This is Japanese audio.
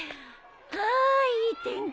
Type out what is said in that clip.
あいい天気。